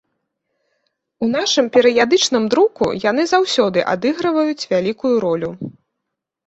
У нашым перыядычным друку яны заўсёды адыгрываюць вялікую ролю.